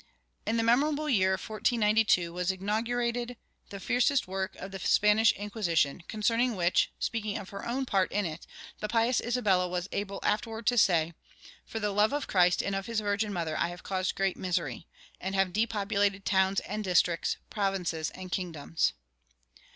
In the memorable year 1492 was inaugurated the fiercest work of the Spanish Inquisition, concerning which, speaking of her own part in it, the pious Isabella was able afterward to say, "For the love of Christ and of his virgin mother I have caused great misery, and have depopulated towns and districts, provinces and kingdoms."